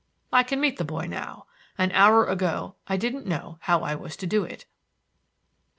I can meet the boy now. An hour ago I didn't know how I was to do it." XV.